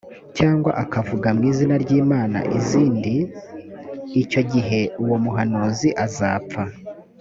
cyangwa akavuga mu izina ry’imana zindi, icyo gihe uwo muhanuzi azapfa.»